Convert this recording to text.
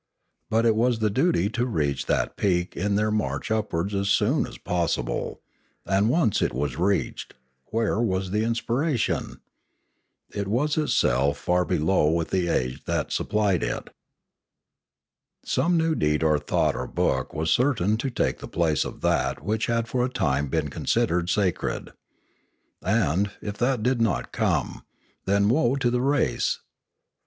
But it was the duty to reach that peak in their march upwards as soon as possible; and once it was reached, where was the inspiration? It was itself far below with the age that supplied it. Some new deed or thought or book was certain to take the place of that which had for a time been con sidered sacred. And, if that did not come, then woe to the race!